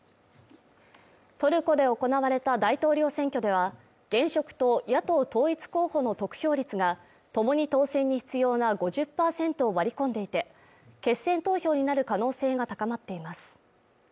トルコで行われた大統領選挙では、現職と野党統一候補の得票率がともに当選に必要な５０％を割り込んでいて、決選投票になる可能性が高まっています。